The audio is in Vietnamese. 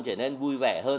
trở nên vui vẻ hơn